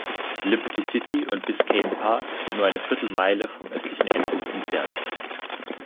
Liberty City und Biscayne Park sind nur eine Viertelmeile vom östlichen Endpunkt entfernt.